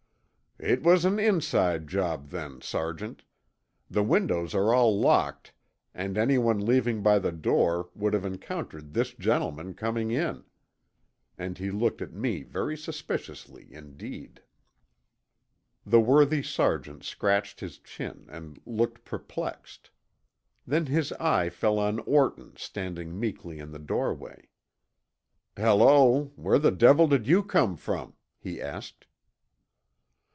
"It was an inside job, then, Sergeant. The windows are all locked and anyone leaving by the door would have encountered this gentleman coming in," and he looked at me very suspiciously indeed. The worthy Sergeant scratched his chin and looked perplexed. Then his eye fell on Orton standing meekly in the doorway. "Hello, where the devil did you come from?" he asked.